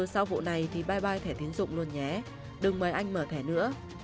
sau vụ này thì bye bye thẻ tiến dụng luôn nhé đừng mời anh mở thẻ nữa